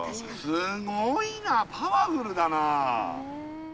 すごいなパワフルだな！